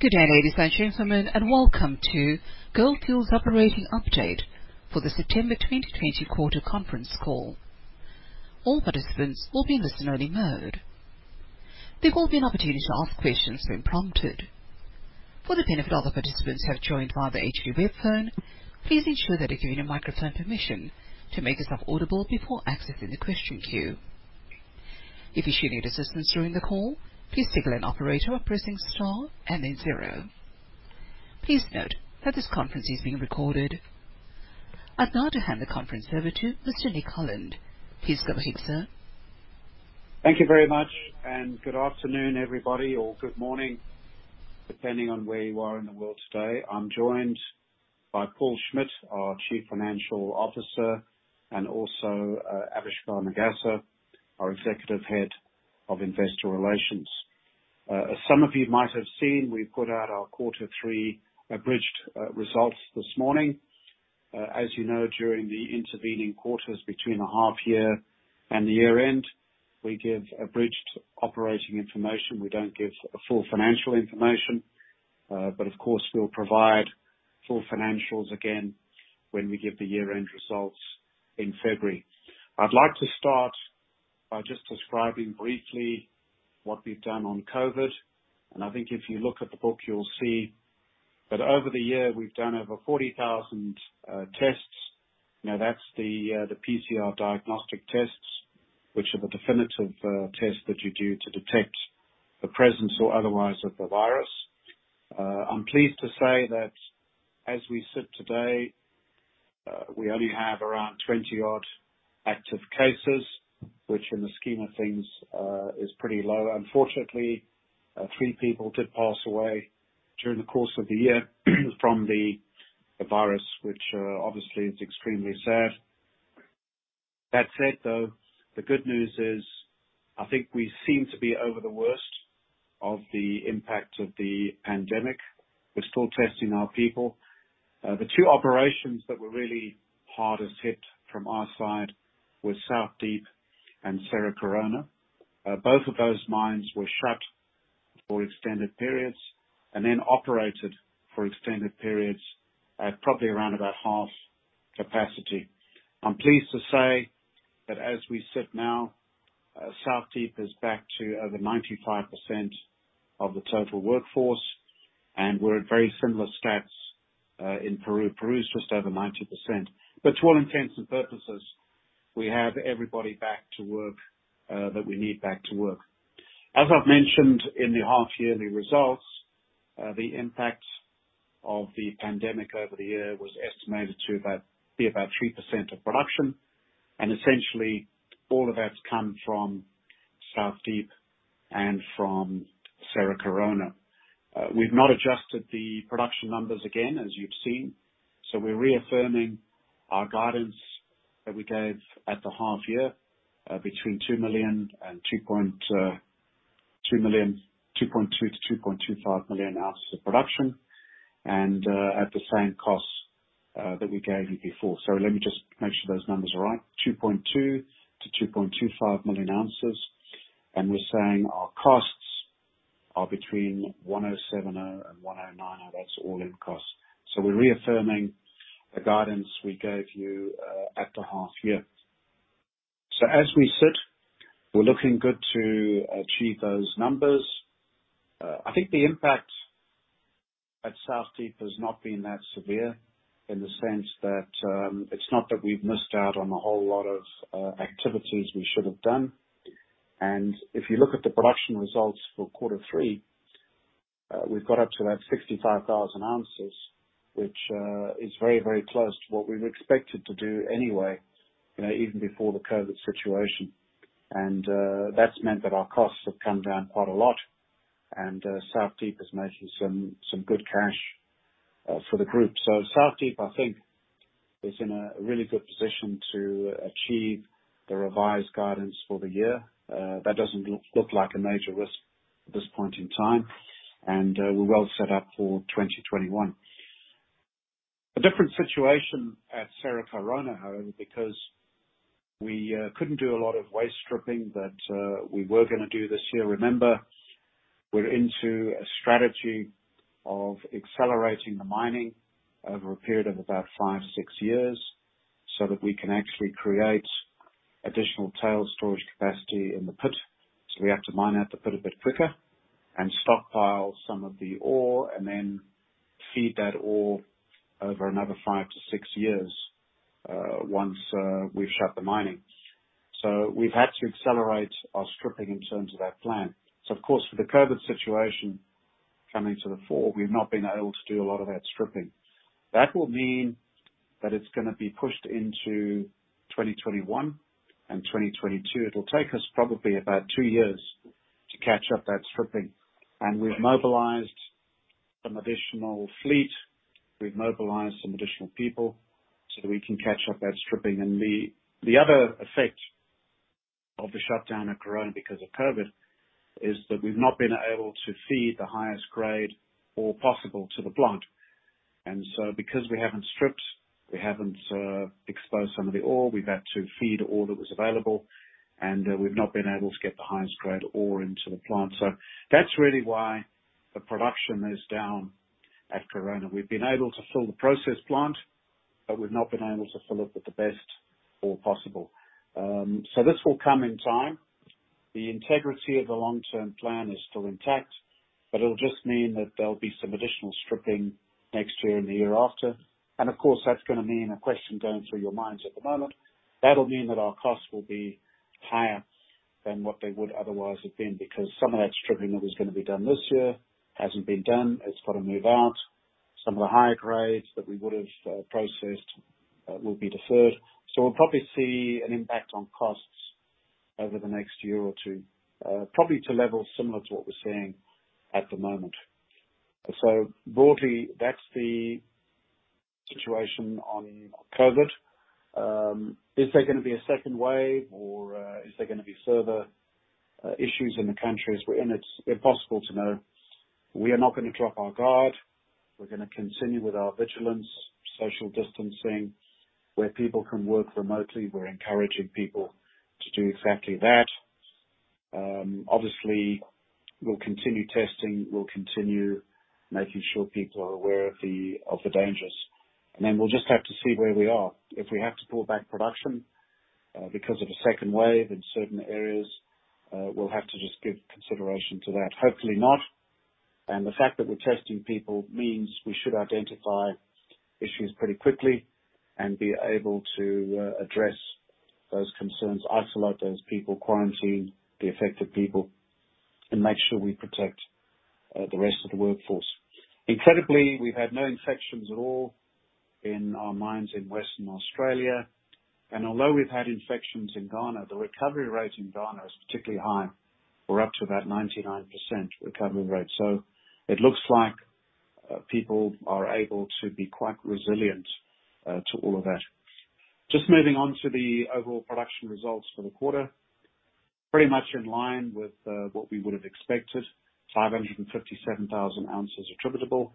Good day, ladies and gentlemen, and welcome to Gold Fields' operating update for the September 2020 quarter conference call. All participants will be in listen only mode. Please hold the opportunity to ask questions will be prompted. For the benefit of other participants who have joined via the HP web phone, please ensure that you unmute your microphone permission to make yourself audible before asking the question queue. If you should need assistance during the call, please signal an operator by pressing star and then zero. Please note that this conference is being recorded. I'd now to hand the conference over to Mr. Nick Holland. Please go ahead, sir. Thank you very much, good afternoon, everybody, or good morning, depending on where you are in the world today. I'm joined by Paul Schmidt, our Chief Financial Officer, and also Avishkar Nagaser, our Executive Head of Investor Relations. Some of you might have seen we put out our Q3 abridged results this morning. As you know, during the intervening quarters between the half year and the year-end, we give abridged operating information. We don't give full financial information. Of course, we'll provide full financials again when we give the year-end results in February. I'd like to start by just describing briefly what we've done on COVID. I think if you look at the book, you'll see that over the year, we've done over 40,000 tests. Now, that's the PCR diagnostic tests, which are the definitive test that you do to detect the presence or otherwise of the virus. I'm pleased to say that as we sit today, we only have around 20 odd active cases, which in the scheme of things, is pretty low. Unfortunately, three people did pass away during the course of the year from the virus, which obviously is extremely sad. That said, though, the good news is, I think we seem to be over the worst of the impact of the pandemic. We're still testing our people. The two operations that were really hardest hit from our side were South Deep and Cerro Corona. Both of those mines were shut for extended periods and then operated for extended periods at probably around about half capacity. I'm pleased to say that as we sit now, South Deep is back to over 95% of the total workforce, and we're at very similar stats in Peru. Peru is just over 90%. To all intents and purposes, we have everybody back to work that we need back to work. As I've mentioned in the half-yearly results, the impact of the pandemic over the year was estimated to be about 3% of production, and essentially all of that's come from South Deep and from Cerro Corona. We've not adjusted the production numbers again, as you've seen. We're reaffirming our guidance that we gave at the half year, between 2 million and 2.2 million-2.25 million ounces of production and at the same cost that we gave you before. Let me just make sure those numbers are right. 2.2 million-2.25 million ounces. We're saying our costs are between $1,070-$1,090. That's all-in 3costs. We're reaffirming the guidance we gave you at the half year. As we sit, we're looking good to achieve those numbers. I think the impact at South Deep has not been that severe in the sense that it's not that we've missed out on a whole lot of activities we should have done. If you look at the production results for Q3, we've got up to about 65,000 ounces, which is very close to what we were expected to do anyway, even before the COVID situation. That's meant that our costs have come down quite a lot and South Deep is making some good cash for the group. South Deep, I think, is in a really good position to achieve the revised guidance for the year. That doesn't look like a major risk at this point in time. We're well set up for 2021. A different situation at Cerro Corona, though, because we couldn't do a lot of waste stripping that we were going to do this year. Remember, we're into a strategy of accelerating the mining over a period of about five, six years so that we can actually create additional tailings storage capacity in the pit. We have to mine out the pit a bit quicker and stockpile some of the ore and then feed that ore over another five to six years, once we've shut the mining. We've had to accelerate our stripping in terms of that plan. Of course, with the COVID situation coming to the fore, we've not been able to do a lot of that stripping. That will mean that it's gonna be pushed into 2021 and 2022. It'll take us probably about two years to catch up that stripping. We've mobilized some additional fleet, we've mobilized some additional people so we can catch up that stripping. The other effect of the shutdown at Cerro Corona because of COVID is that we've not been able to feed the highest grade ore possible to the plant. Because we haven't stripped, we haven't exposed some of the ore, we've had to feed ore that was available, and we've not been able to get the highest grade ore into the plant. That's really why the production is down at Cerro Corona. We've been able to fill the process plant, but we've not been able to fill it with the best ore possible. This will come in time. The integrity of the long-term plan is still intact, but it'll just mean that there'll be some additional stripping next year and the year after. Of course, that's going to mean a question going through your minds at the moment. That'll mean that our costs will be higher than what they would otherwise have been, because some of that stripping that was going to be done this year hasn't been done. It's got to move out. Some of the higher grades that we would have processed will be deferred. We'll probably see an impact on costs over the next year or two, probably to levels similar to what we're seeing at the moment. Broadly, that's the situation on COVID. Is there going to be a second wave or is there going to be further issues in the countries we're in? It's impossible to know. We are not going to drop our guard. We're going to continue with our vigilance, social distancing. Where people can work remotely, we're encouraging people to do exactly that. Obviously, we'll continue testing. We'll continue making sure people are aware of the dangers. We'll just have to see where we are. If we have to pull back production because of a second wave in certain areas, we'll have to just give consideration to that. Hopefully not, and the fact that we're testing people means we should identify issues pretty quickly and be able to address those concerns, isolate those people, quarantine the affected people, and make sure we protect the rest of the workforce. Incredibly, we've had no infections at all in our mines in Western Australia, and although we've had infections in Ghana, the recovery rate in Ghana is particularly high. We're up to about 99% recovery rate. It looks like people are able to be quite resilient to all of that. Just moving on to the overall production results for the quarter. Pretty much in line with what we would have expected. 557,000 ounces attributable.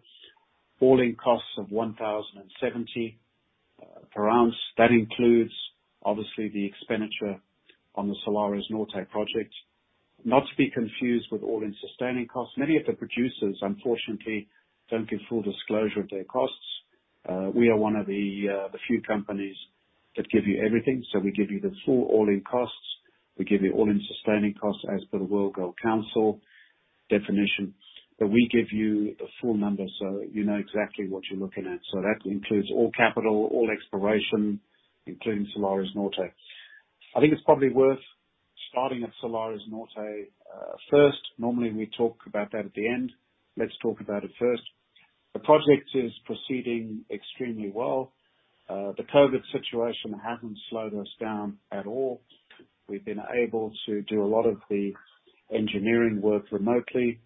All-in costs of $1,070 per ounce. That includes, obviously, the expenditure on the Salares Norte project. Not to be confused with all-in sustaining costs. Many of the producers, unfortunately, don't give full disclosure of their costs. We are one of the few companies that give you everything. We give you the full all-in costs, we give you all-in sustaining costs as per the World Gold Council definition. We give you the full number so you know exactly what you're looking at. That includes all capital, all exploration, including Salares Norte. I think it's probably worth starting at Salares Norte first. Normally, we talk about that at the end. Let's talk about it first. The project is proceeding extremely well. The COVID situation hasn't slowed us down at all. We've been able to do a lot of the engineering work remotely.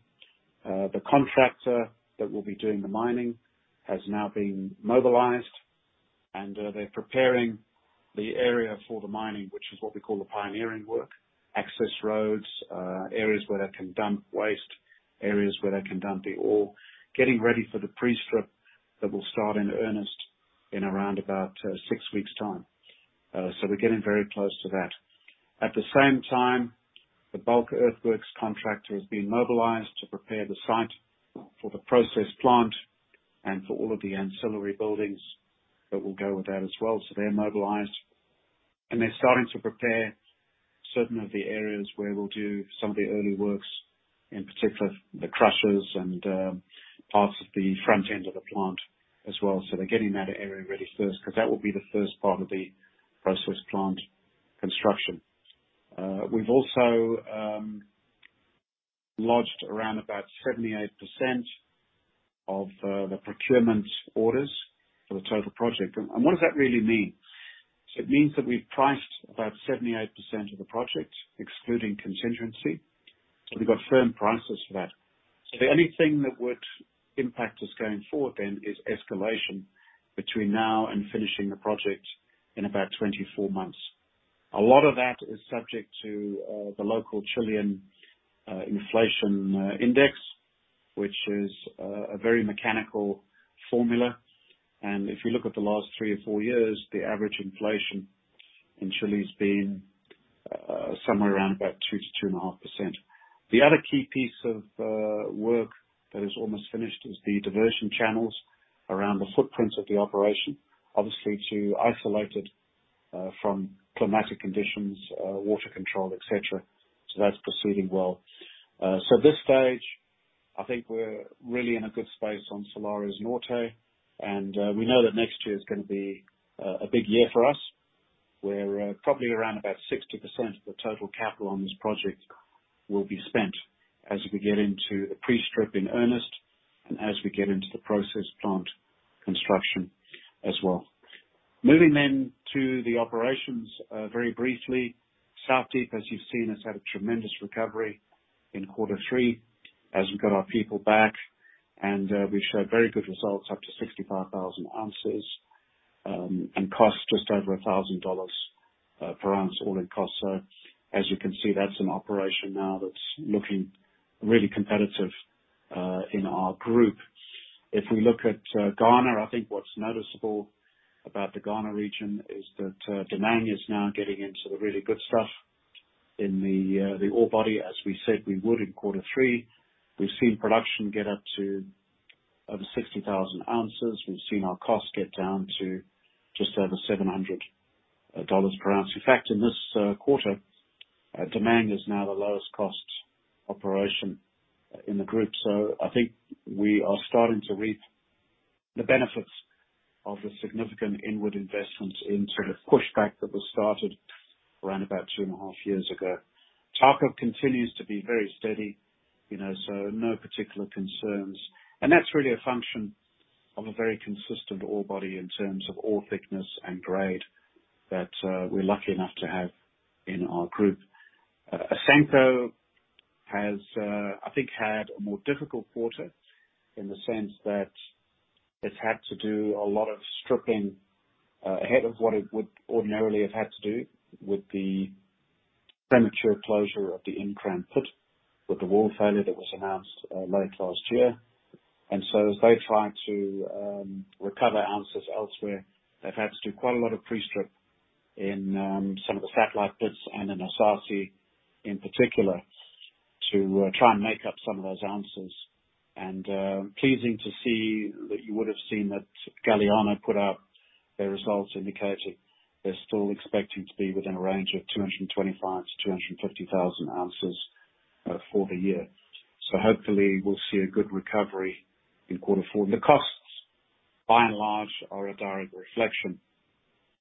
The contractor that will be doing the mining has now been mobilized, and they're preparing the area for the mining, which is what we call the pioneering work, access roads, areas where they can dump waste, areas where they can dump the ore. Getting ready for the pre-strip that will start in earnest in around about six weeks' time. We're getting very close to that. At the same time, the bulk earthworks contractor has been mobilized to prepare the site for the process plant and for all of the ancillary buildings that will go with that as well. They're mobilized, and they're starting to prepare certain of the areas where we'll do some of the early works, in particular the crushers and parts of the front end of the plant as well. They're getting that area ready first because that will be the first part of the process plant construction. We've also lodged around about 78% of the procurement orders for the total project. What does that really mean? It means that we've priced about 78% of the project, excluding contingency. We've got firm prices for that. The only thing that would impact us going forward then is escalation between now and finishing the project in about 24 months. A lot of that is subject to the local Chilean inflation index, which is a very mechanical formula. If you look at the last three or four years, the average inflation in Chile has been somewhere around about 2%-2.5%. The other key piece of work that is almost finished is the diversion channels around the footprints of the operation, obviously to isolate it from climatic conditions, water control, et cetera. That's proceeding well. At this stage, I think we're really in a good space on Salares Norte, and we know that next year is going to be a big year for us, where probably around about 60% of the total capital on this project will be spent as we get into the pre-strip in earnest and as we get into the process plant construction as well. Moving then to the operations very briefly. South Deep, as you've seen, has had a tremendous recovery in Q3 as we got our people back, and we showed very good results, up to 65,000 ounces. Cost just over $1,000 per ounce, all-in cost. As you can see, that's an operation now that's looking really competitive in our group. If we look at Ghana, I think what's noticeable about the Ghana region is that Damang is now getting into the really good stuff in the ore body, as we said we would in Q3. We've seen production get up to over 60,000 ounces. We've seen our costs get down to just over $700 per ounce. In fact, in this quarter, Damang is now the lowest cost operation in the group. I think we are starting to reap the benefits of the significant inward investment in sort of pushback that was started around about two and a half years ago. Tarkwa continues to be very steady, so no particular concerns. That's really a function of a very consistent ore body in terms of ore thickness and grade that we're lucky enough to have in our group. Asanko has, I think, had a more difficult quarter in the sense that it's had to do a lot of stripping ahead of what it would ordinarily have had to do with the premature closure of the Nkran pit, with the wall failure that was announced late last year. As they try to recover ounces elsewhere, they've had to do quite a lot of pre-strip in some of the satellite pits and in Esaase in particular, to try and make up some of those ounces. Pleasing to see that you would have seen that Galiano put out their results indicated they're still expecting to be within a range of 225,000 to 250,000 ounces for the year. Hopefully we'll see a good recovery in quarter four. The costs, by and large, are a direct reflection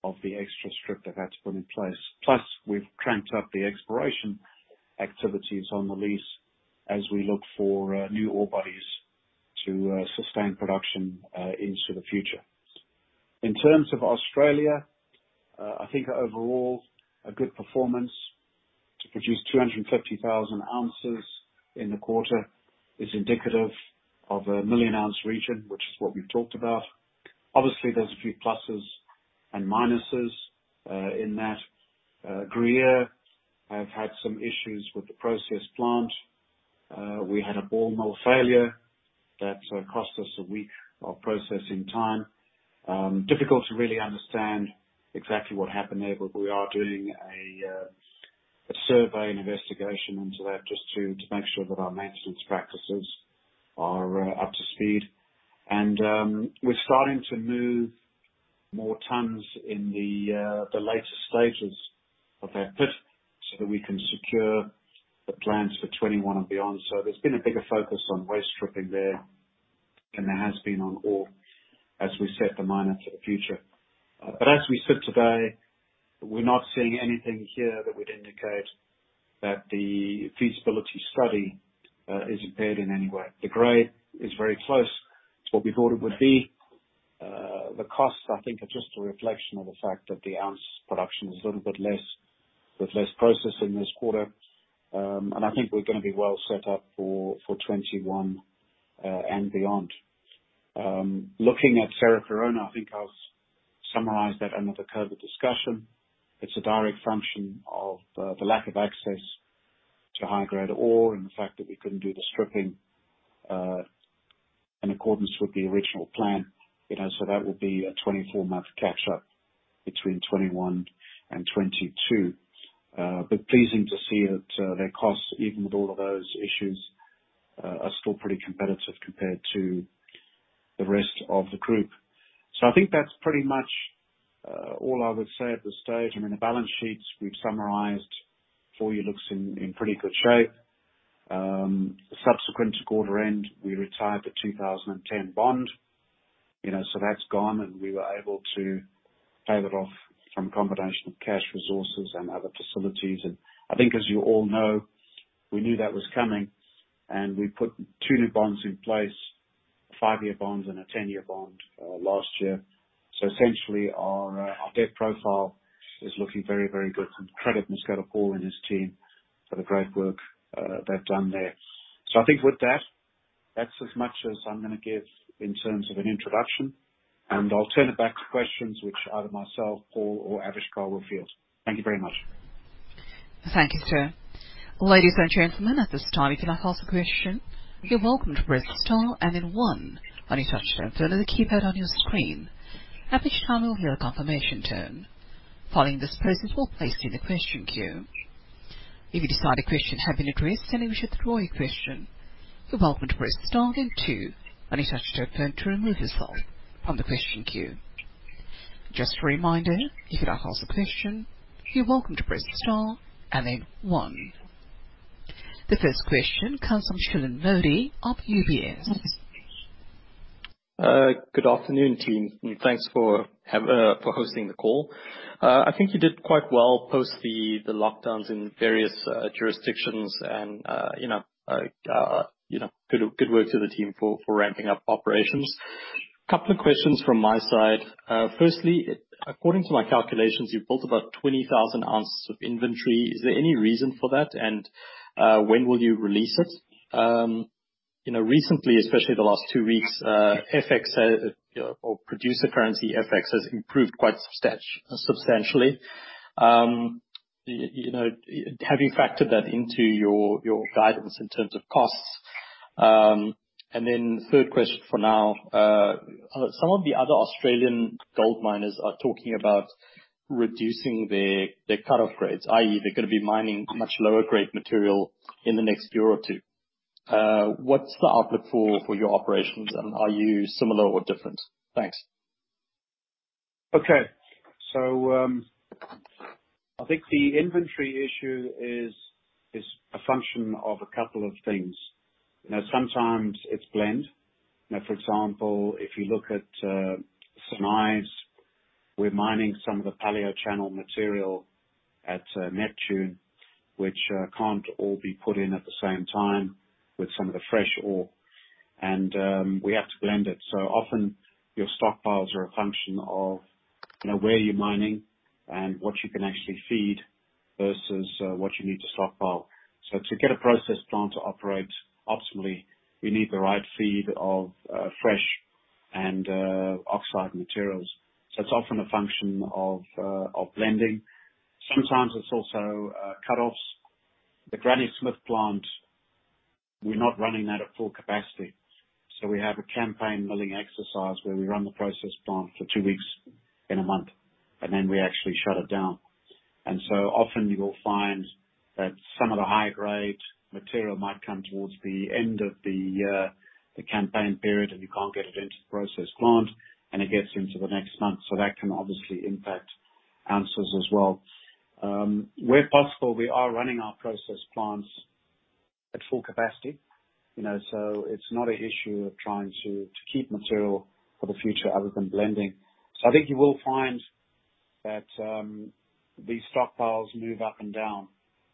of the extra strip they've had to put in place. Plus, we've cranked up the exploration activities on the lease as we look for new ore bodies to sustain production into the future. In terms of Australia, I think overall, a good performance to produce 250,000 ounces in the quarter is indicative of a million-ounce region, which is what we've talked about. Obviously, there's a few pluses and minuses in that. Gruyere have had some issues with the process plant. We had a ball mill failure that cost us a week of processing time. Difficult to really understand exactly what happened there, but we are doing a survey and investigation into that just to make sure that our maintenance practices are up to speed. We're starting to move more tons in the later stages of our pit so that we can secure the plans for 2021 and beyond. There's been a bigger focus on waste stripping there than there has been on ore as we set the miner for the future. As we sit today, we're not seeing anything here that would indicate that the feasibility study is impaired in any way. The grade is very close to what we thought it would be. The costs, I think, are just a reflection of the fact that the ounce production is a little bit less with less processing this quarter. I think we're going to be well set up for 2021 and beyond. Looking at Cerro Corona, I think I'll summarize that under the COVID discussion. It's a direct function of the lack of access to high-grade ore and the fact that we couldn't do the stripping in accordance with the original plan. That will be a 24-month catch-up between 2021 and 2022. Pleasing to see that their costs, even with all of those issues, are still pretty competitive compared to the rest of the group. I think that's pretty much all I would say at this stage. I mean, the balance sheets we've summarized for you looks in pretty good shape. Subsequent to quarter end, we retired the 2010 bond. That's gone and we were able to pay that off from a combination of cash resources and other facilities. I think as you all know, we knew that was coming and we put two new bonds in place, a five-year bond and a 10-year bond last year. Essentially, our debt profile is looking very, very good. Credit must go to Paul and his team for the great work they've done there. I think with that's as much as I'm going to give in terms of an introduction. I'll turn it back to questions which either myself, Paul or Avishkar will field. Thank you very much. Thank you, Stuart. Ladies and gentlemen, The first question comes from Shilan Modi of UBS. Good afternoon, team, thanks for hosting the call. I think you did quite well post the lockdowns in various jurisdictions and good work to the team for ramping up operations. Couple of questions from my side. Firstly, according to my calculations, you've built about 20,000 ounces of inventory. Is there any reason for that? When will you release it? Recently, especially the last two weeks, producer currency FX has improved quite substantially. Have you factored that into your guidance in terms of costs? The third question for now, some of the other Australian gold miners are talking about reducing their cutoff grades, i.e., they're going to be mining much lower grade material in the next year or two. What's the outlook for your operations, and are you similar or different? Thanks. Okay. I think the inventory issue is a function of a couple of things. Sometimes it's blend. For example, if you look at St Ives, we're mining some of the paleochannel material at Neptune, which can't all be put in at the same time with some of the fresh ore, and we have to blend it. Often your stockpiles are a function of where you're mining and what you can actually feed versus what you need to stockpile. To get a process plant to operate optimally, we need the right feed of fresh and oxide materials. It's often a function of blending. Sometimes it's also cutoffs. The Granny Smith plant, we're not running that at full capacity. We have a campaign milling exercise where we run the process plant for two weeks in a month, and then we actually shut it down. Often you will find that some of the high-grade material might come towards the end of the campaign period, and you can't get it into the process plant, and it gets into the next month. That can obviously impact ounces as well. Where possible, we are running our process plants at full capacity. It's not an issue of trying to keep material for the future other than blending. I think you will find that these stockpiles move up and down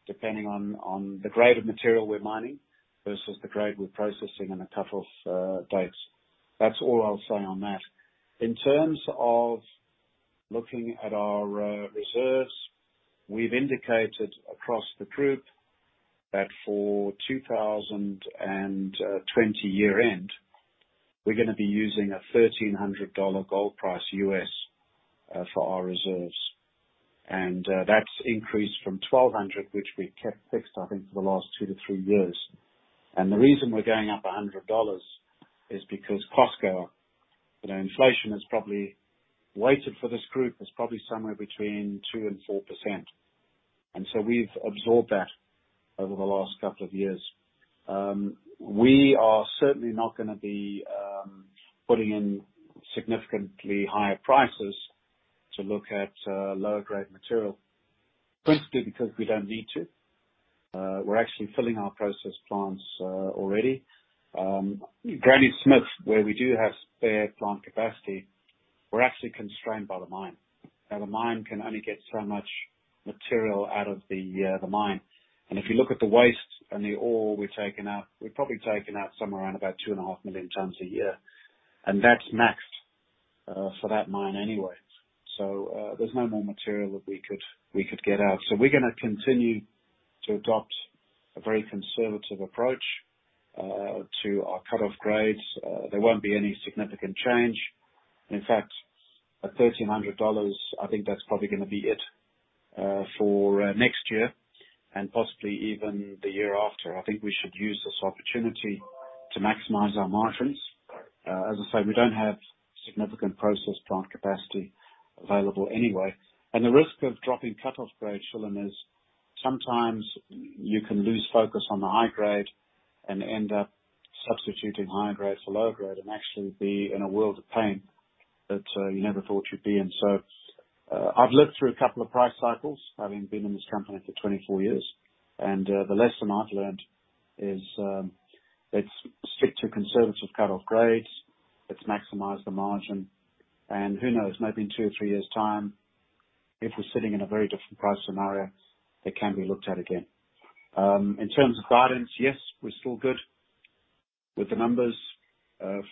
depending on the grade of material we're mining versus the grade we're processing and the cutoff dates. That's all I'll say on that. In terms of looking at our reserves, we've indicated across the group that for 2020 year-end, we're gonna be using a $1,300 gold price US for our reserves. That's increased from $1,200, which we kept fixed, I think, for the last two to three years. The reason we're going up $100 is because cost inflation has probably weighted for this group, is probably somewhere between 2% and 4%. We've absorbed that over the last couple of years. We are certainly not gonna be putting in significantly higher prices to look at lower grade material, principally because we don't need to. We're actually filling our process plants already. Granny Smith, where we do have spare plant capacity, we're actually constrained by the mine. The mine can only get so much material out of the mine. If you look at the waste and the ore we're taking out, we're probably taking out somewhere around about 2.5 million tons a year. That's maxed for that mine anyway. There's no more material that we could get out. We're gonna continue to adopt a very conservative approach to our cutoff grades. There won't be any significant change. In fact, at $1,300, I think that's probably gonna be it for next year and possibly even the year after. I think we should use this opportunity to maximize our margins. As I said, we don't have significant process plant capacity available anyway. The risk of dropping cutoff grade, Shilan, is sometimes you can lose focus on the high grade and end up substituting high grade for low grade and actually be in a world of pain that you never thought you'd be in. I've lived through a couple of price cycles, having been in this company for 24 years. The lesson I've learned is, let's stick to conservative cutoff grades. Let's maximize the margin. Who knows, maybe in two or three years' time, if we're sitting in a very different price scenario, it can be looked at again. In terms of guidance, yes, we're still good with the numbers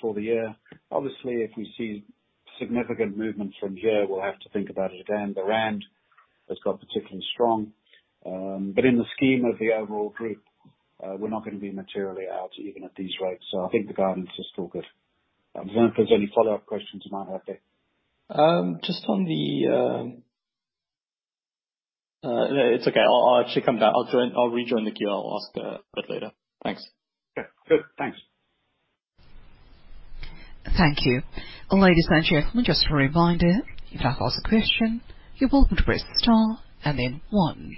for the year. Obviously, if we see significant movement from here, we'll have to think about it again. The ZAR has got particularly strong. In the scheme of the overall group, we're not gonna be materially out even at these rates. I think the guidance is still good. I don't know if there's any follow-up questions you might have there. It's okay. I'll actually come back. I'll rejoin the queue. I'll ask a bit later. Thanks. Yeah. Good. Thanks. Thank you. Ladies and gentlemen, just a reminder, if you'd like to ask a question, you're welcome to press star and then one.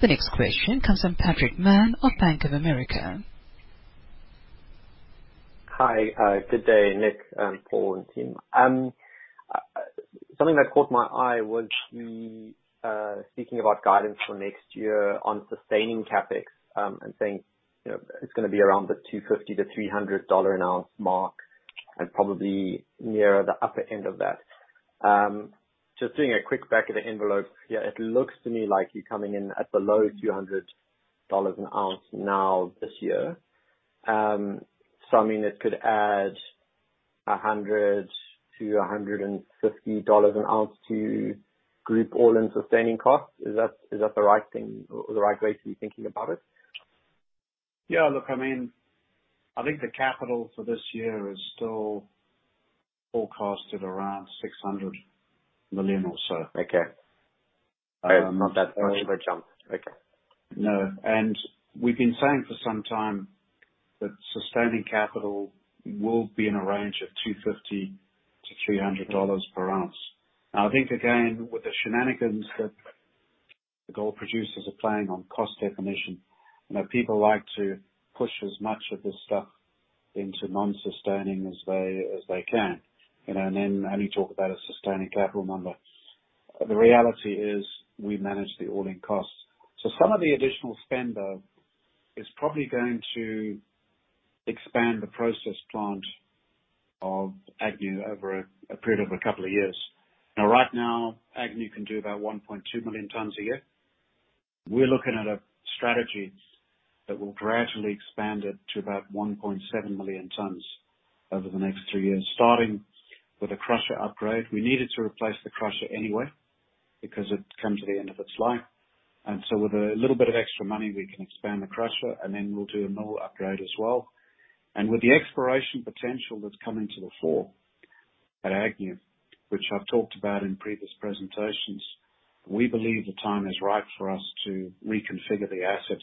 The next question comes from Patrick Mann of Bank of America. Hi. Good day, Nick, Paul, and team. Something that caught my eye was the speaking about guidance for next year on sustaining CapEx, and saying it's gonna be around the $250-$300 an ounce mark, and probably nearer the upper end of that. Just doing a quick back of the envelope here, it looks to me like you're coming in at below $200 an ounce now this year. I mean, it could add $100-$150 an ounce to group all-in sustaining costs. Is that the right way to be thinking about it? Yeah. I think the capital for this year is still forecasted around $600 million or so. Okay. Not that much of a jump. Okay. No. We've been saying for some time that sustaining capital will be in a range of $250-$300 per ounce. I think, again, with the shenanigans that the gold producers are playing on cost definition, people like to push as much of this stuff into non-sustaining as they can, and then only talk about a sustaining capital number. The reality is we manage the all-in costs. Some of the additional spend, though, is probably going to expand the process plant of Agnew over a period of a couple of years. Right now, Agnew can do about 1.2 million tons a year. We're looking at a strategy that will gradually expand it to about 1.7 million tons over the next two years, starting with a crusher upgrade. We needed to replace the crusher anyway because it's come to the end of its life, and so with a little bit of extra money, we can expand the crusher, and then we'll do a mill upgrade as well. With the exploration potential that's coming to the fore at Agnew, which I've talked about in previous presentations, we believe the time is right for us to reconfigure the assets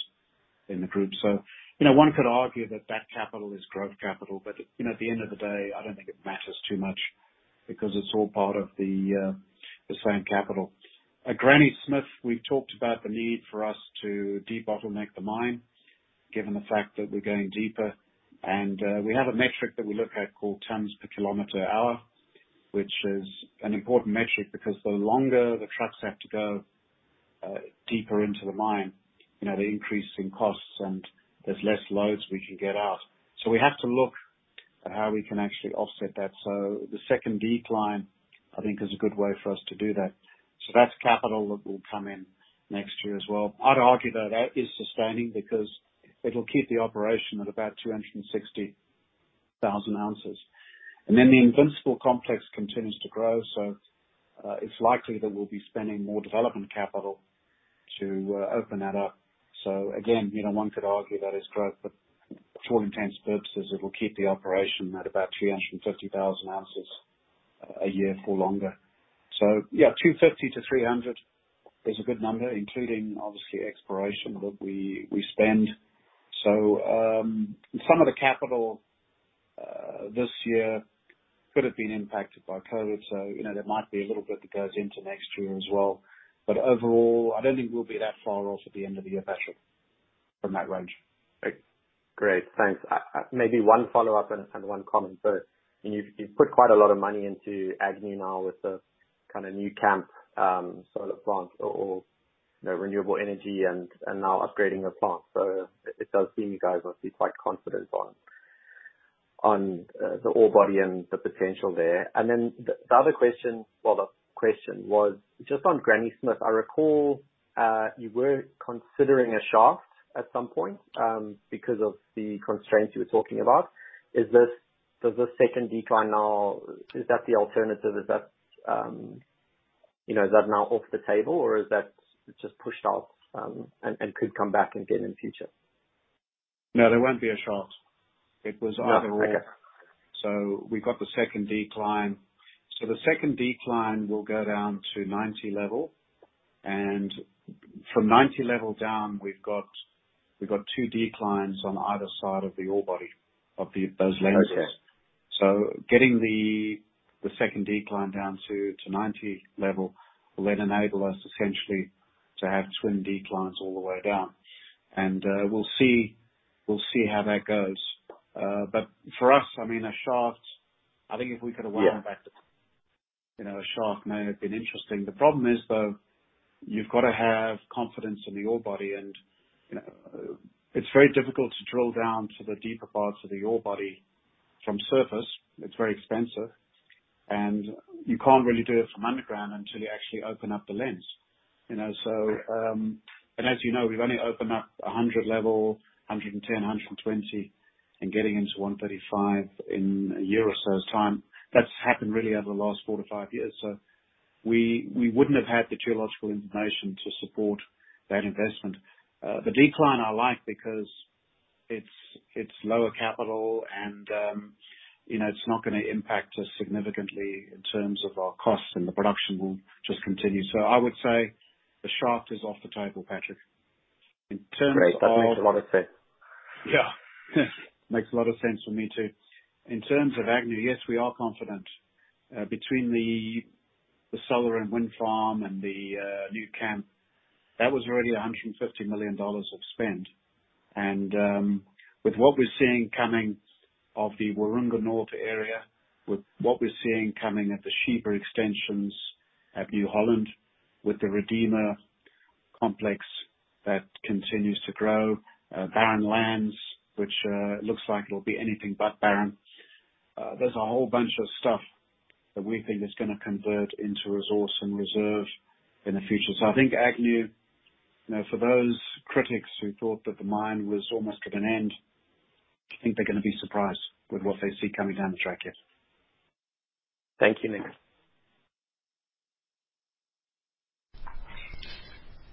in the group. One could argue that capital is growth capital, but at the end of the day, I don't think it matters too much because it's all part of the same capital. At Granny Smith, we've talked about the need for us to debottleneck the mine, given the fact that we're going deeper. We have a metric that we look at called tonne-kilometres per hour, which is an important metric because the longer the trucks have to go deeper into the mine, they're increasing costs and there's less loads we can get out. We have to look at how we can actually offset that. The second decline, I think, is a good way for us to do that. That's capital that will come in next year as well. I'd argue though that is sustaining because it'll keep the operation at about 260,000 ounces. Then the Invincible complex continues to grow, so it's likely that we'll be spending more development capital to open that up. Again, one could argue that is growth, but for all intents and purposes, it will keep the operation at about 350,000 ounces a year for longer. Yeah, $250-$300 is a good number, including obviously exploration that we spend. Some of the capital this year could have been impacted by COVID. There might be a little bit that goes into next year as well. Overall, I don't think we'll be that far off at the end of the year, Patrick, from that range. Great. Thanks. Maybe one follow-up and one comment. You've put quite a lot of money into Agnew now with the new camp, solar plant, or renewable energy and now upgrading the plant. It does seem you guys must be quite confident on the ore body and the potential there. The other question was just on Granny Smith. I recall you were considering a shaft at some point because of the constraints you were talking about. Does the second decline now, is that the alternative? Is that now off the table or is that just pushed out and could come back again in future? No, there won't be a shaft. It was either or. Okay. We've got the second decline. The second decline will go down to 90 level. From 90 level down, we've got two declines on either side of the ore body of those lenses. Okay. Getting the second decline down to 90 level will then enable us essentially to have twin declines all the way down. We'll see how that goes. For us, a shaft, I think if we could have went back, a shaft may have been interesting. The problem is, though, you've got to have confidence in the ore body, and it's very difficult to drill down to the deeper parts of the ore body from surface. It's very expensive. You can't really do it from underground until you actually open up the lens. Right. As you know, we've only opened up 100 level, 110, 120 and getting into 135 in a year or so's time. That's happened really over the last four to five years. We wouldn't have had the geological information to support that investment. The decline I like because it's lower capital and it's not going to impact us significantly in terms of our costs, and the production will just continue. I would say the shaft is off the table, Patrick. Great. That makes a lot of sense. Yeah. Makes a lot of sense for me, too. In terms of Agnew, yes, we are confident. Between the solar and wind farm and the new camp, that was already $150 million of spend. With what we're seeing coming of the Waroonga North area, with what we're seeing coming at the Sheba extensions at New Holland, with the Redeemer complex that continues to grow, Barren Lands, which looks like it'll be anything but barren, that we think is going to convert into resource and reserve in the future. I think Agnew, for those critics who thought that the mine was almost at an end, I think they're going to be surprised with what they see coming down the track, yes. Thank you, Nick.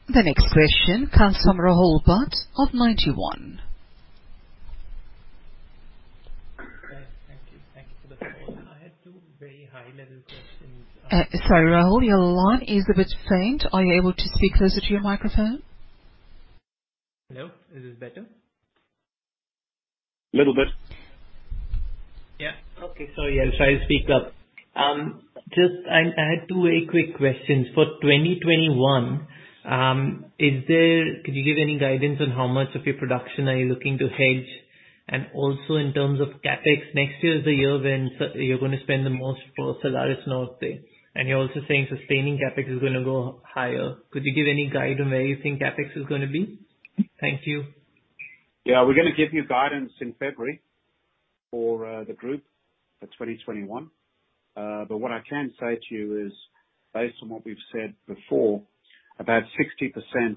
The next question comes from Rahul Bhat of Ninety One. Thank you. Thanks for the call. I had two very high-level questions. Sorry, Rahul, your line is a bit faint. Are you able to speak closer to your microphone? Hello. Is this better? Little bit. Yeah. Okay. Sorry. I'll try to speak up. I had two very quick questions. For 2021, could you give any guidance on how much of your production are you looking to hedge? In terms of CapEx, next year is the year when you're going to spend the most for Salares Norte, and you're also saying sustaining CapEx is going to go higher. Could you give any guide on where you think CapEx is going to be? Thank you. We're gonna give you guidance in February for the group for 2021. What I can say to you is, based on what we've said before, about 60%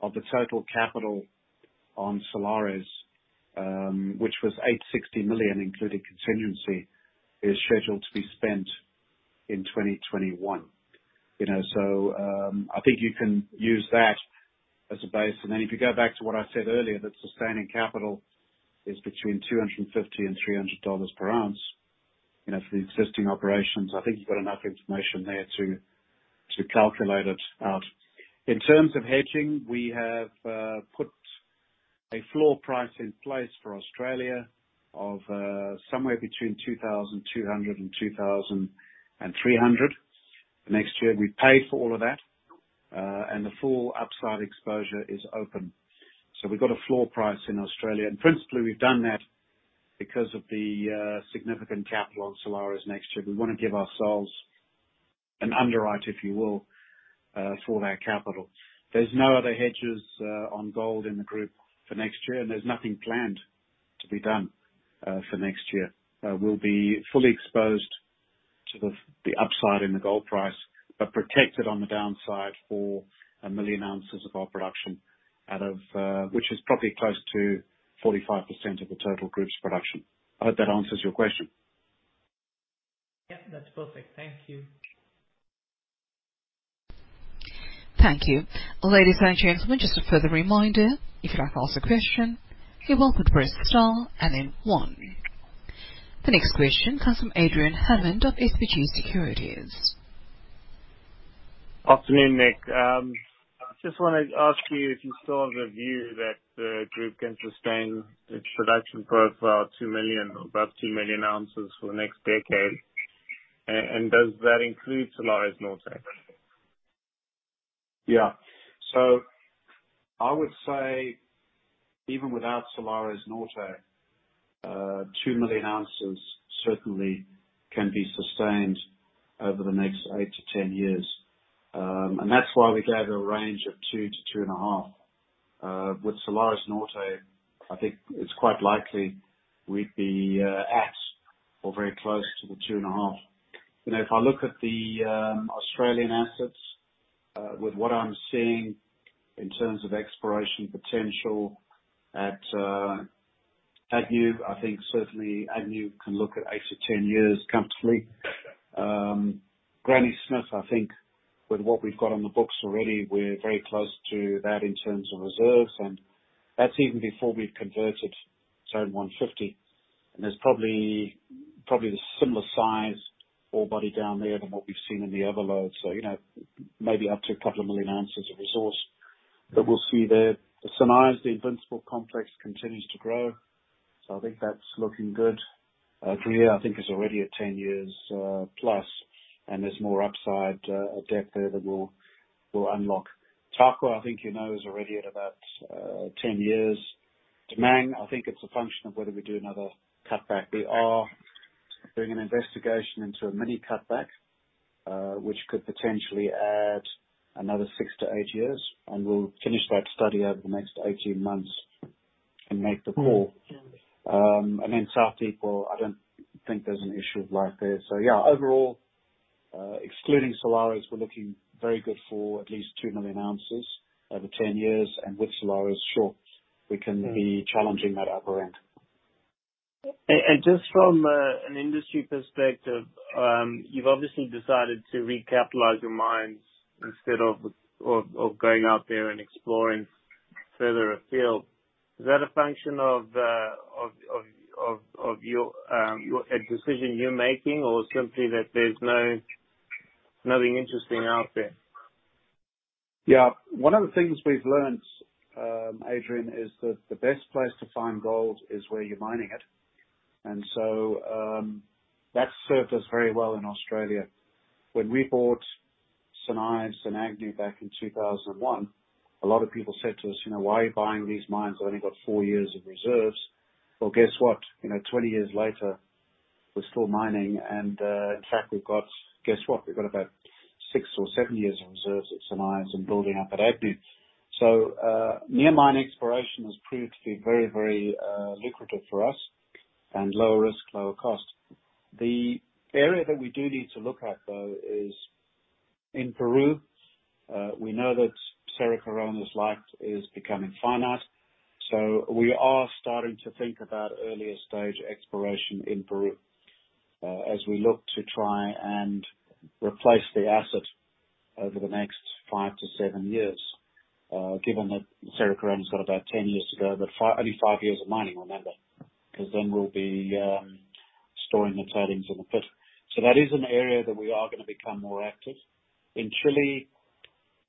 of the total capital on Salares Norte, which was $860 million including contingency, is scheduled to be spent in 2021. I think you can use that as a base. If you go back to what I said earlier, that sustaining capital is between $250 and $300 per ounce, for the existing operations, I think you've got enough information there to calculate it out. In terms of hedging, we have put a floor price in place for Australia of somewhere between 2,200-2,300. Next year, we pay for all of that, and the full upside exposure is open. We've got a floor price in Australia, and principally, we've done that because of the significant capital on Salares Norte next year. We want to give ourselves an underwrite, if you will, for that capital. There's no other hedges on gold in the group for next year, and there's nothing planned to be done for next year. We'll be fully exposed to the upside in the gold price, but protected on the downside for 1 million ounces of our production, which is probably close to 45% of the total group's production. I hope that answers your question. That's perfect. Thank you. Thank you. Ladies and gentlemen, just a further reminder, if you'd like to ask a question, you're welcome to press star and then one. The next question comes from Adrian Hammond of SBG Securities. Afternoon, Nick. I just wanted to ask you if you still have the view that the group can sustain its production profile of 2 million or above 2 million ounces for the next decade. Does that include Salares Norte? Yeah. I would say even without Salares Norte, 2 million ounces certainly can be sustained over the next eight-10 years. That's why we gave a range of 2 million-2.5 million ounces. With Salares Norte, I think it's quite likely we'd be at or very close to the 2.5 million ounces. If I look at the Australian assets, with what I'm seeing in terms of exploration potential at Agnew, I think certainly Agnew can look at eight-10 years comfortably. Granny Smith, I think with what we've got on the books already, we're very close to that in terms of reserves, and that's even before we've converted Zone 150. There's probably the similar size ore body down there than what we've seen in the Wallaby. Maybe up to a couple of million ounces of resource that we'll see there. The St Ives Invincible complex continues to grow. I think that's looking good. Coolgardie I think is already at 10 years plus. There's more upside of depth there that we'll unlock. Tarkwa, I think you know, is already at about 10 years. Damang, I think it's a function of whether we do another cutback. We are doing an investigation into a mini cutback, which could potentially add another six to eight years. We'll finish that study over the next 18 months and make the call. South Deep, well, I don't think there's an issue of life there. Yeah, overall, excluding Salares Norte, we're looking very good for at least 2 million ounces over 10 years. With Salares Norte, sure, we can be challenging that upper end. Just from an industry perspective, you've obviously decided to recapitalize your mines instead of going out there and exploring further afield. Is that a function of a decision you're making or simply that there's nothing interesting out there? Yeah. One of the things we've learnt, Adrian, is that the best place to find gold is where you're mining it. That's served us very well in Australia. When we bought St Ives and Agnew back in 2001, a lot of people said to us, "Why are you buying these mines? They've only got four years of reserves." Well, guess what? 20 years later, we're still mining and, in fact, we've got, guess what? We've got about six or seven years of reserves at St Ives and building up at Agnew. Near mine exploration has proved to be very lucrative for us and lower risk, lower cost. The area that we do need to look at, though, is in Peru. We know that Cerro Corona's life is becoming finite, so we are starting to think about earlier stage exploration in Peru, as we look to try and replace the asset over the next five to seven years, given that Cerro Corona's got about 10 years to go, but only five years of mining, remember. Because then we'll be storing the tailings on the pit. That is an area that we are going to become more active. In Chile,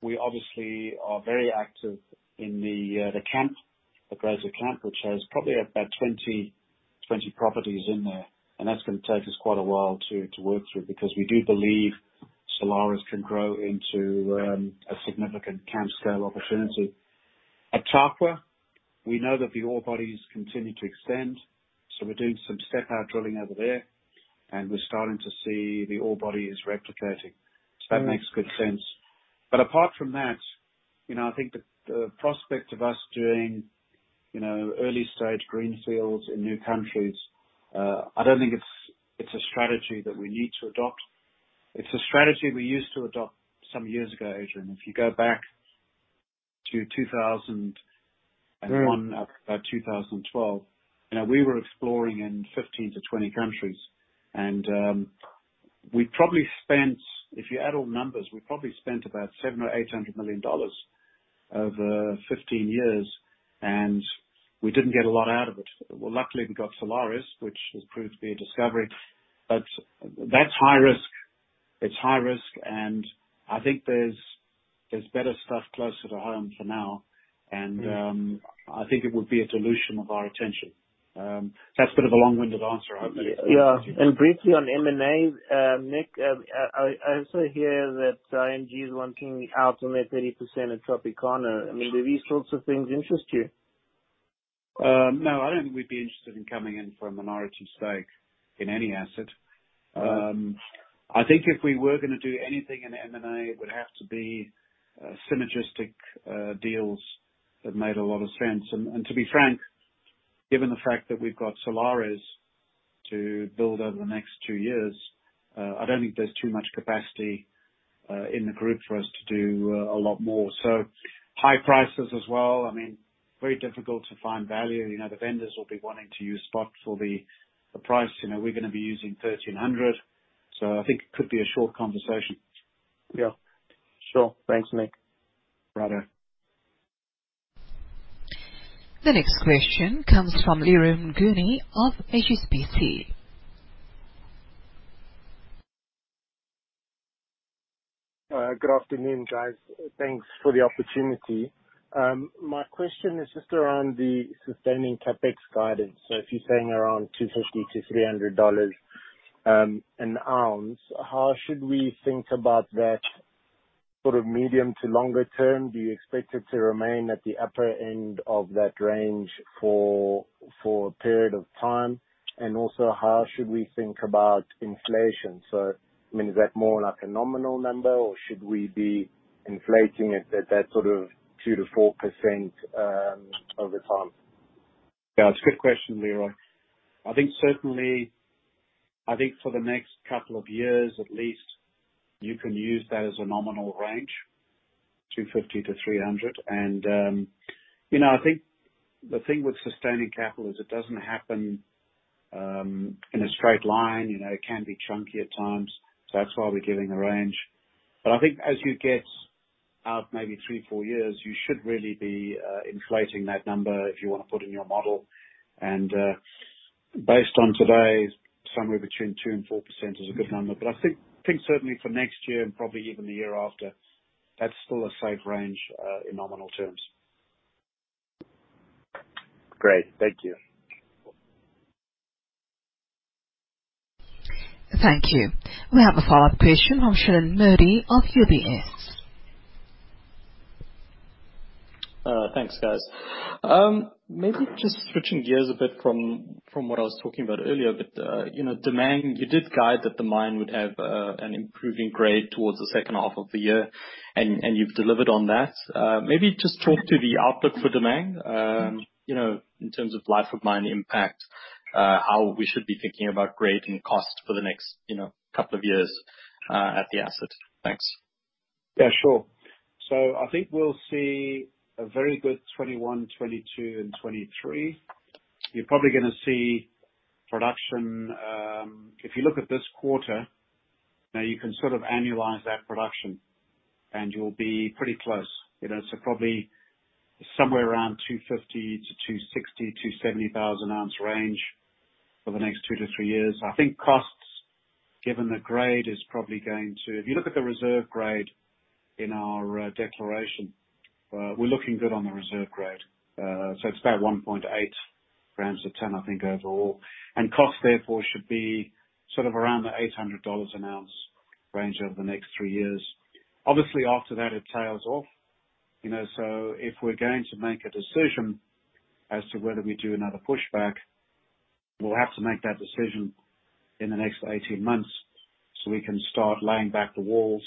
we obviously are very active in the camp, the Gorbea camp, which has probably about 20 properties in there, and that's going to take us quite a while to work through, because we do believe Salares Norte can grow into a significant camp scale opportunity. At Tarkwa, we know that the ore bodies continue to extend, so we're doing some step-out drilling over there, and we're starting to see the ore bodies replicating. That makes good sense. Apart from that, I think the prospect of us doing early-stage greenfields in new countries, I don't think it's a strategy that we need to adopt. It's a strategy we used to adopt some years ago, Adrian. If you go back to 2001. Up to about 2012, we were exploring in 15 to 20 countries. We probably spent, if you add all numbers, we probably spent about $700 million or $800 million over 15 years, and we didn't get a lot out of it. Well, luckily, we got Salares, which has proved to be a discovery. That's high risk. It's high risk, and I think there's better stuff closer to home for now. I think it would be a dilution of our attention. That's a bit of a long-winded answer. Yeah. Briefly on M&A, Nick, I also hear that IGO is wanting out on their 30% at Tropicana. I mean, do these sorts of things interest you? No, I don't think we'd be interested in coming in for a minority stake in any asset. I think if we were gonna do anything in M&A, it would have to be synergistic deals that made a lot of sense. To be frank, given the fact that we've got Salares Norte to build over the next two years, I don't think there's too much capacity in the group for us to do a lot more. High prices as well. I mean, very difficult to find value. The vendors will be wanting to use spots for the price. We're gonna be using $1,300. I think it could be a short conversation. Yeah. Sure. Thanks, Nick. Righteo. The next question comes from Leroy Mnguni of HSBC. Good afternoon, guys. Thanks for the opportunity. My question is just around the sustaining CapEx guidance. If you're saying around $250-$300 an ounce, how should we think about that sort of medium to longer term? Do you expect it to remain at the upper end of that range for a period of time? How should we think about inflation? I mean, is that more like a nominal number or should we be inflating it at that sort of 2%-4% over time? Yeah, it's a good question, Leroy. I think certainly, I think for the next couple of years, at least, you can use that as a nominal range, $250-$300. I think the thing with sustaining capital is it doesn't happen in a straight line. It can be chunky at times. That's why we're giving a range. But I think as you get out maybe three, four years, you should really be inflating that number if you wanna put in your model. Based on today's, somewhere between 2%-4% is a good number. But I think certainly for next year and probably even the year after, that's still a safe range in nominal terms. Great. Thank you. Thank you. We have a follow-up question from Shilan Modi of UBS. Thanks, guys. Maybe just switching gears a bit from what I was talking about earlier, but Damang, you did guide that the mine would have an improving grade towards the second half of the year and you've delivered on that. Maybe just talk to the outlook for Damang, in terms of life of mine impact, how we should be thinking about grade and cost for the next couple of years at the asset. Thanks. Yeah, sure. I think we'll see a very good 2021, 2022, and 2023. You're probably gonna see production-- If you look at this quarter, now you can sort of annualize that production and you'll be pretty close. Probably somewhere around 250,000-270,000 ounce range for the next two to three years. I think costs, given the grade, is probably going to If you look at the reserve grade in our declaration, we're looking good on the reserve grade. It's about 1.8 grams per ton, I think overall. Cost therefore should be sort of around the $800 an ounce range over the next three years. Obviously, after that it tails off. If we're going to make a decision as to whether we do another pushback. We'll have to make that decision in the next 18 months so we can start laying back the walls.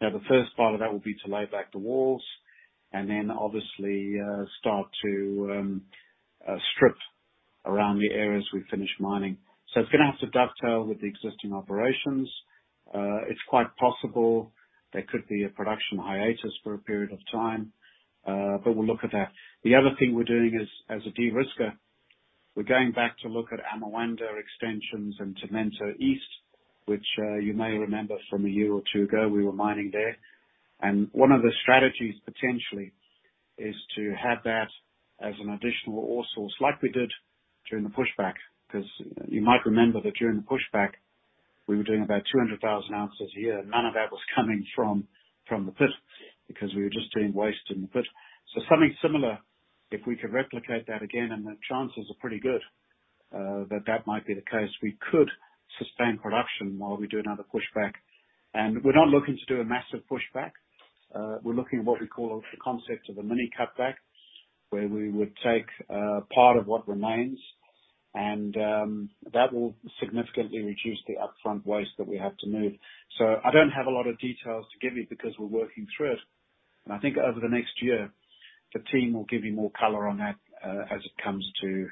The first part of that will be to lay back the walls and then obviously, start to strip around the areas we've finished mining. It's going to have to dovetail with the existing operations. It's quite possible there could be a production hiatus for a period of time, but we'll look at that. The other thing we're doing is, as a de-risker, we're going back to look at Amoanda extensions and Tomento East, which you may remember from a year or two ago, we were mining there. One of the strategies, potentially, is to have that as an additional ore source like we did during the pushback, because you might remember that during the pushback, we were doing about 200,000 ounces a year. None of that was coming from the pit because we were just doing waste in the pit. Something similar, if we could replicate that again, and the chances are pretty good, that that might be the case. We could sustain production while we do another pushback. We're not looking to do a massive pushback. We're looking at what we call the concept of a mini cutback, where we would take a part of what remains, and that will significantly reduce the upfront waste that we have to move. I don't have a lot of details to give you because we're working through it. I think over the next year, the team will give you more color on that as it comes to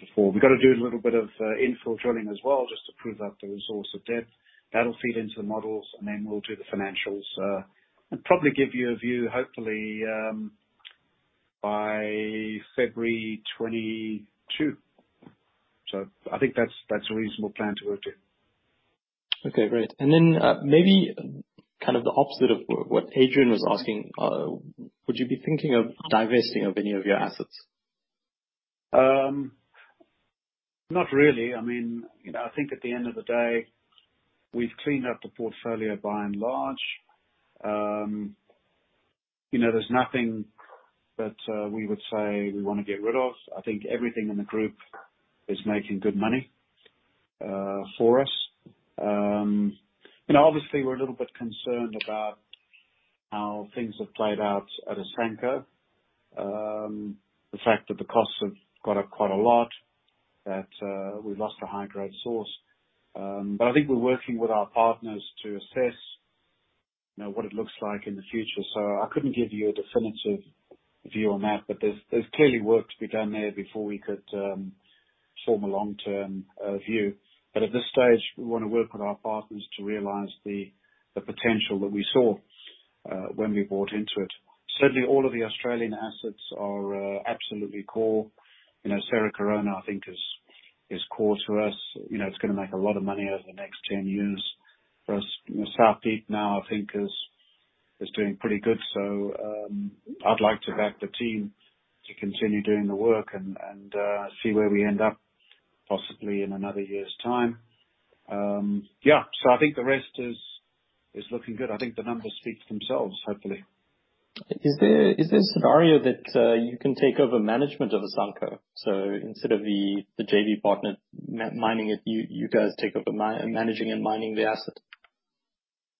the fore. We've got to do a little bit of infill drilling as well just to prove up the resource at depth. That'll feed into the models, and then we'll do the financials. I'll probably give you a view hopefully by February 2022. I think that's a reasonable plan to work with. Okay, great. Then maybe kind of the opposite of what Adrian was asking, would you be thinking of divesting of any of your assets? Not really. I think at the end of the day, we've cleaned up the portfolio by and large. There's nothing that we would say we want to get rid of. I think everything in the group is making good money for us. Obviously, we're a little bit concerned about how things have played out at Asanko. The fact that the costs have gone up quite a lot, that we lost a high-grade source. I think we're working with our partners to assess what it looks like in the future. I couldn't give you a definitive view on that, but there's clearly work to be done there before we could form a long-term view. At this stage, we want to work with our partners to realize the potential that we saw when we bought into it. Certainly, all of the Australian assets are absolutely core. Cerro Corona I think is core to us. It's going to make a lot of money over the next 10 years for us. South Deep now I think is doing pretty good. I'd like to back the team to continue doing the work and see where we end up possibly in another year's time. Yeah. I think the rest is looking good. I think the numbers speak themselves, hopefully. Is there a scenario that you can take over management of Asanko? Instead of the JV partner mining it, you guys take over managing and mining the asset.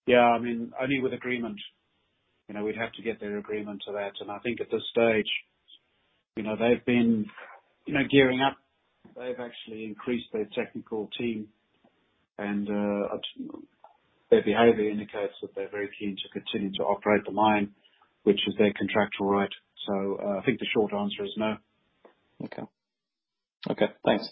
Yeah. Only with agreement. We'd have to get their agreement to that. I think at this stage, they've been gearing up. They've actually increased their technical team and their behavior indicates that they're very keen to continue to operate the mine, which is their contractual right. I think the short answer is no. Okay. Thanks.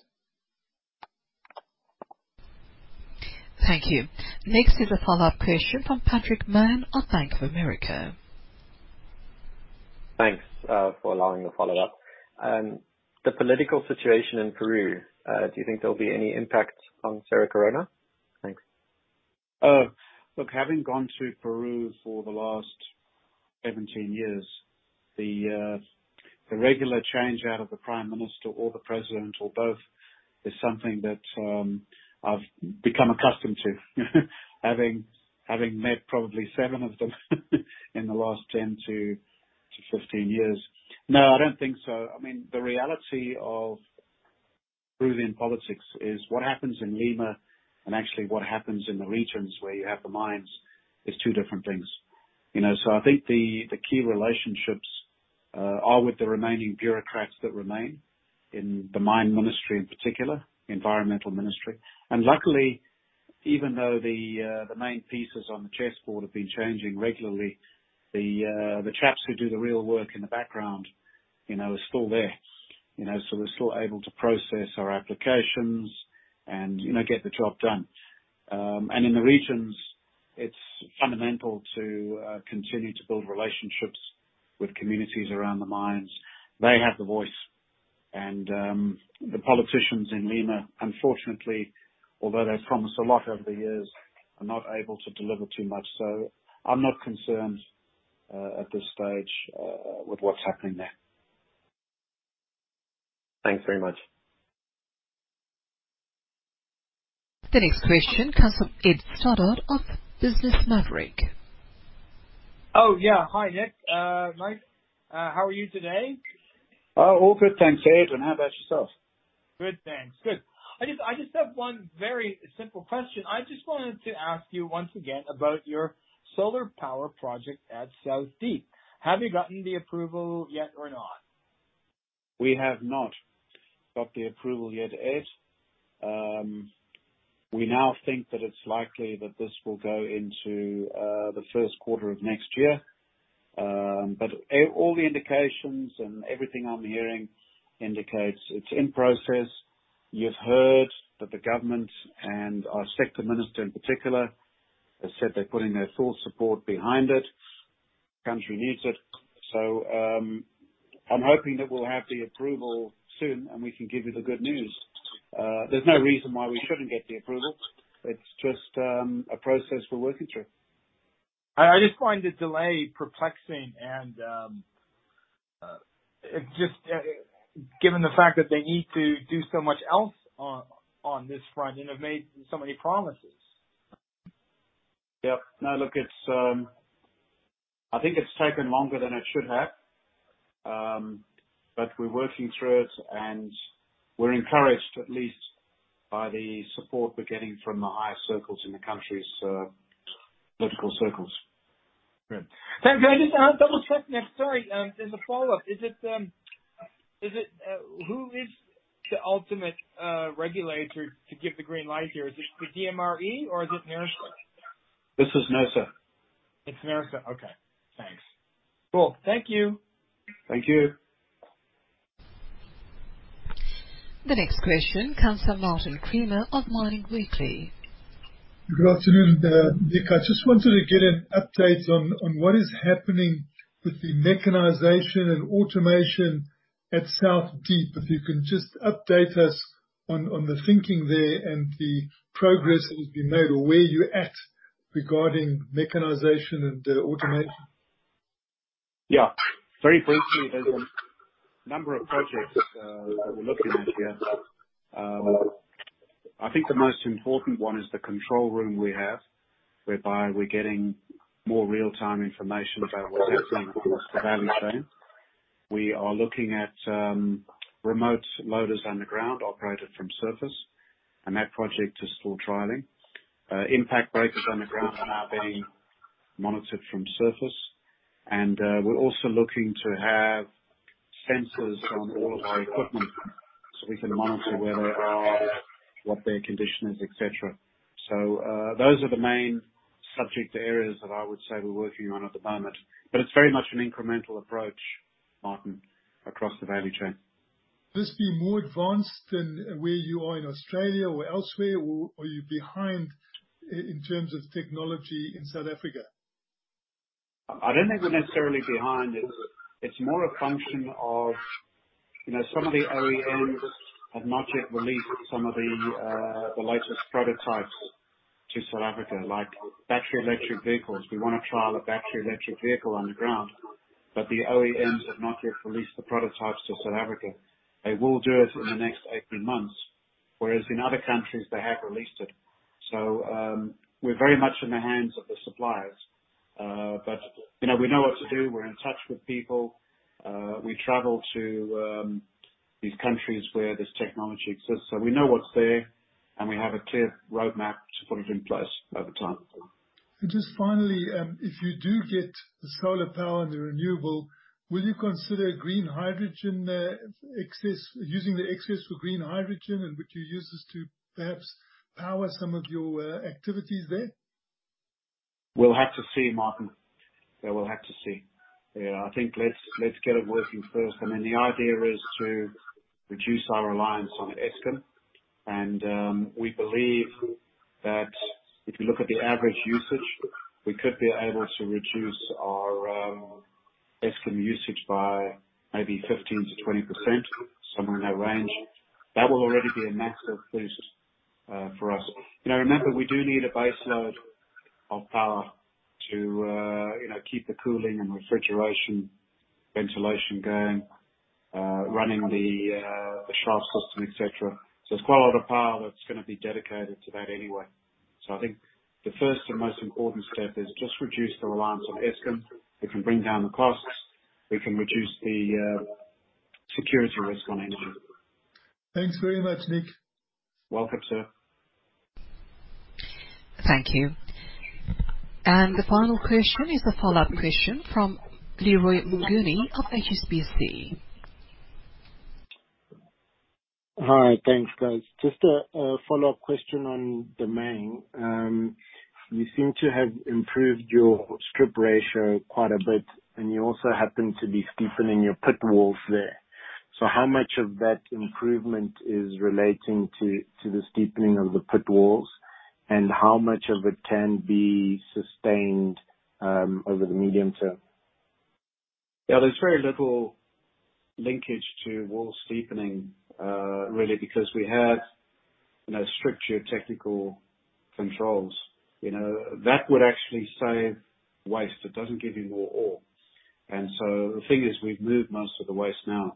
Thank you. Next is a follow-up question from Patrick Mann of Bank of America. Thanks for allowing the follow-up. The political situation in Peru, do you think there'll be any impact on Cerro Corona? Thanks. Having gone to Peru for the last 17 years, the regular change out of the prime minister or the president or both is something that I've become accustomed to having met probably seven of them in the last 10 to 15 years. No, I don't think so. The reality of Peruvian politics is what happens in Lima and actually what happens in the regions where you have the mines is two different things. I think the key relationships are with the remaining bureaucrats that remain in the mine ministry, in particular, environmental ministry. Luckily, even though the main pieces on the chessboard have been changing regularly, the chaps who do the real work in the background are still there. They're still able to process our applications and get the job done. In the regions, it's fundamental to continue to build relationships with communities around the mines. They have the voice. The politicians in Lima, unfortunately, although they've promised a lot over the years, are not able to deliver too much. I'm not concerned at this stage with what's happening there. Thanks very much. The next question comes from Ed Stoddard of Business Maverick. Oh, yeah. Hi, Nick. Nice. How are you today? All good, thanks, Ed. How about yourself? Good, thanks. I just have one very simple question. I just wanted to ask you once again about your solar power project at South Deep. Have you gotten the approval yet or not? We have not got the approval yet, Ed. We now think that it's likely that this will go into the first quarter of next year. All the indications and everything I'm hearing indicates it's in process. You've heard that the government and our sector minister in particular, have said they're putting their full support behind it. Country needs it. I'm hoping that we'll have the approval soon and we can give you the good news. There's no reason why we shouldn't get the approval. It's just a process we're working through. I just find the delay perplexing and just given the fact that they need to do so much else on this front and have made so many promises. Yeah. No, look, I think it's taken longer than it should have. We're working through it, and we're encouraged, at least, by the support we're getting from the highest circles in the country's political circles. Good. Can I just double-check? Sorry. As a follow-up, who is the ultimate regulator to give the green light here? Is this the DMRE or is it NERSA? This is NERSA. It's NERSA. Okay. Thanks. Cool. Thank you. Thank you. The next question comes from Martin Creamer of Mining Weekly. Good afternoon, Nick. I just wanted to get an update on what is happening with the mechanization and automation at South Deep. If you can just update us on the thinking there and the progress that has been made or where you're at regarding mechanization and automation. Yeah. Very briefly, there's a number of projects that we're looking at here. I think the most important one is the control room we have, whereby we're getting more real-time information about what's happening across the value chain. We are looking at remote loaders underground operated from surface. That project is still trialing. Impact breakers underground are now being monitored from surface. We're also looking to have sensors on all of our equipment so we can monitor where they are, what their condition is, et cetera. Those are the main subject areas that I would say we're working on at the moment. It's very much an incremental approach, Martin, across the value chain. This being more advanced than where you are in Australia or elsewhere, or are you behind in terms of technology in South Africa? I don't think we're necessarily behind. It's more a function of some of the OEMs have not yet released some of the latest prototypes to South Africa, like battery electric vehicles. We want to trial a battery electric vehicle underground, the OEMs have not yet released the prototypes to South Africa. They will do it in the next 18 months, whereas in other countries, they have released it. We're very much in the hands of the suppliers. We know what to do. We're in touch with people. We travel to these countries where this technology exists. We know what's there, and we have a clear roadmap to put it in place over time. Just finally, if you do get the solar power, the renewable, will you consider green hydrogen using the excess for green hydrogen and would you use this to perhaps power some of your activities there? We'll have to see, Martin. Yeah, we'll have to see. Yeah, I think let's get it working first. I mean, the idea is to reduce our reliance on Eskom. We believe that if you look at the average usage, we could be able to reduce our Eskom usage by maybe 15%-20%, somewhere in that range. That will already be a massive boost for us. Remember, we do need a base load of power to keep the cooling and refrigeration, ventilation going, running the shafts costs, et cetera. It's quite a lot of power that's going to be dedicated to that anyway. I think the first and most important step is just reduce the reliance on Eskom. We can bring down the costs. We can reduce the security risk on hand. Thanks very much, Nick. Welcome, sir. Thank you. The final question is a follow-up question from Leroy Mnguni of HSBC. Hi. Thanks, guys. Just a follow-up question on Damang. You seem to have improved your strip ratio quite a bit, and you also happen to be steepening your pit walls there. How much of that improvement is relating to the steepening of the pit walls, and how much of it can be sustained over the medium term? Yeah. There's very little linkage to wall steepening, really, because we have strict geotechnical controls. That would actually save waste. It doesn't give you more ore. The thing is, we've moved most of the waste now.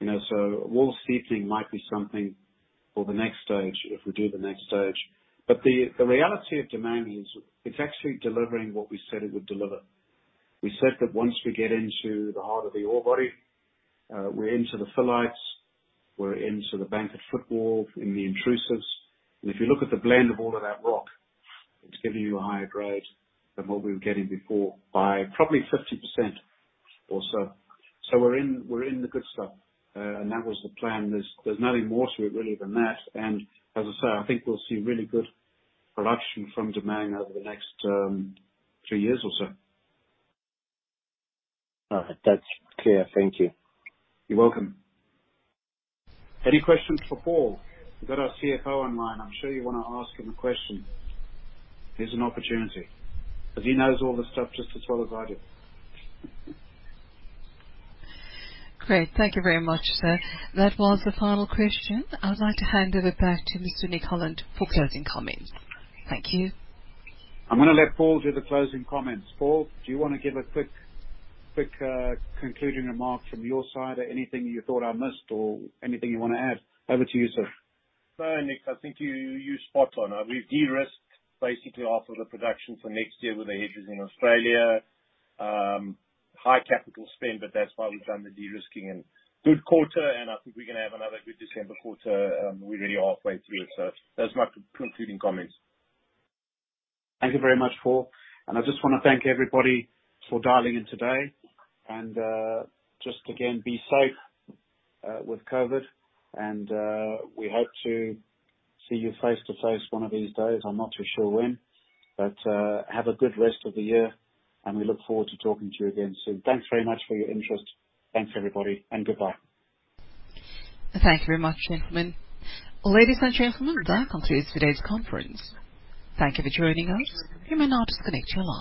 Wall steepening might be something for the next stage if we do the next stage. The reality of Damang is it's actually delivering what we said it would deliver. We said that once we get into the heart of the ore body, we're into the phyllites, we're into the Banket footwall in the intrusives. If you look at the blend of all of that rock, it's giving you a higher grade than what we were getting before by probably 50% or so. We're in the good stuff. That was the plan. There's nothing more to it really than that. As I say, I think we'll see really good production from Damang over the next three years or so. All right. That's clear. Thank you. You're welcome. Any questions for Paul? We've got our CFO online. I'm sure you want to ask him a question. Here's an opportunity, because he knows all this stuff just as well as I do. Great. Thank you very much, sir. That was the final question. I would like to hand over back to Mr. Nick Holland for closing comments. Thank you. I'm gonna let Paul do the closing comments. Paul, do you want to give a quick concluding remark from your side or anything you thought I missed or anything you want to add? Over to you, sir. No, Nick, I think you're spot on. We've de-risked basically half of the production for next year with the hedges in Australia. High capital spend, but that's why we've done the de-risking. Good quarter, and I think we're going to have another good December quarter. We're really halfway through it. That's my concluding comments. Thank you very much, Paul. I just wanna thank everybody for dialing in today. Just again, be safe with COVID and we hope to see you face-to-face one of these days. I'm not too sure when, but have a good rest of the year, and we look forward to talking to you again soon. Thanks very much for your interest. Thanks, everybody, and goodbye. Thank you very much, gentlemen. Ladies and gentlemen, that concludes today's conference. Thank you for joining us. You may now disconnect your line.